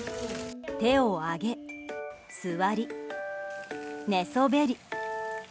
手を上げ、座り、寝そべり。